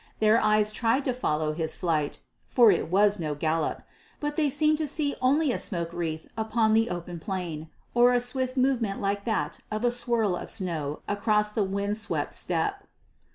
Their eyes tried to follow his flight for it was no gallop but they seemed to see only a smoke wreath upon the open plain, or a swift movement like that of a swirl of snow across the wind swept steppe.